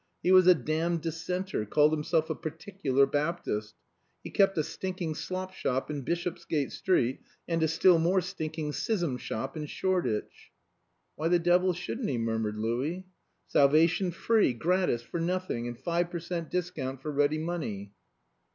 He was a damned dissenter called himself a Particular Baptist. He kept a stinking slopshop in Bishopsgate Street, and a still more stinking schism shop in Shoreditch." ("Why the devil shouldn't he?" murmured Louis.) "Salvation free, gratis, for nothing, and five per cent, discount for ready money."